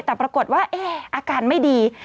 แต่ปรากฏว่าอาการไม่ดี